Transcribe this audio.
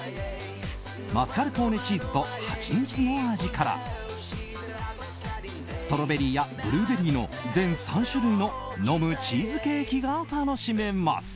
マスカルポーネチーズとハチミツの味からストロベリーやブルーベリーの全３種類の飲むチーズケーキが楽しめます。